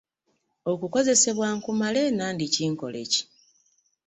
Okukozesebwa nkumale nandiki nkole ki?